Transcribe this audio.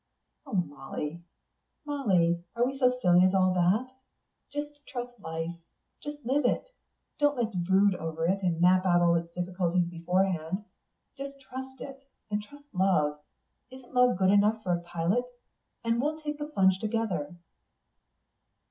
"Oh, Molly, Molly, are we so silly as all that? Just trust life just live it don't let's brood over it and map out all its difficulties beforehand. Just trust it and trust love isn't love good enough for a pilot? and we'll take the plunge together."